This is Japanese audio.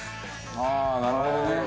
ああーなるほどね。